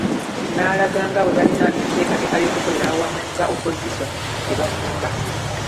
N'alaga nga bwe balina enteekateeka y’okukolera awamu nga Opozisoni gye bafumba.